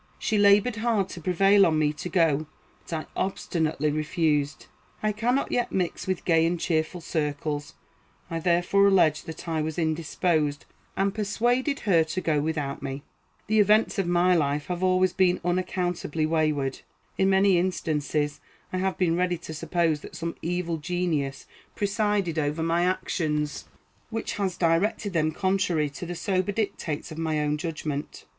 She labored hard to prevail on me to go, but I obstinately refused. I cannot yet mix with gay and cheerful circles. I therefore alleged that I was indisposed, and persuaded her to go without me. The events of my life have always been unaccountably wayward. In many instances I have been ready to suppose that some evil genius presided over my actions, which has directed them contrary to the sober dictates of my own judgment.